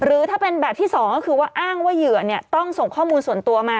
ถ้าเป็นแบบที่สองก็คือว่าอ้างว่าเหยื่อต้องส่งข้อมูลส่วนตัวมา